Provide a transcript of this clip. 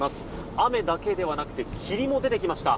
雨だけではなくて霧も出てきました。